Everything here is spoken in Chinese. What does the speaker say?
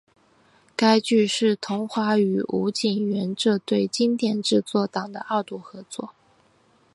该剧是桐华与吴锦源这对经典制作档的二度合作。